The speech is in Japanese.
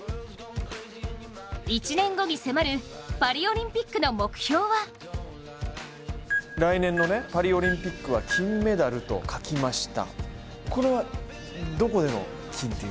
１年後に迫るパリオリンピックの目標は来年のパリオリンピックは金メダルと書きました。